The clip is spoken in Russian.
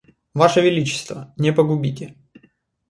Ваше величество не погубите.